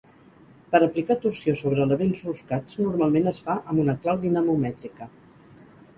Per aplicar torsió sobre elements roscats normalment es fa amb una clau dinamomètrica.